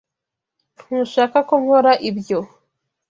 Ntushaka ko nkora ibyo.